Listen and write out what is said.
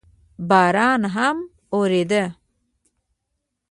باران هم اورېده.